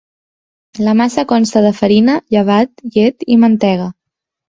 La massa consta de farina, llevat, llet i mantega.